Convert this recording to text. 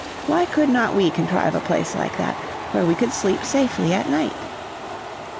Why could not we contrive a place like that, where we could sleep safely at night?"